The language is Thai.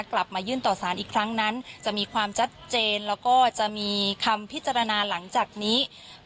กลับมายื่นต่อสารอีกครั้งนั้นจะมีความชัดเจนแล้วก็จะมีคำพิจารณาหลังจากนี้